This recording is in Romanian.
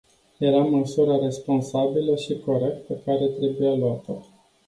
Era măsura responsabilă și corectă care trebuia luată.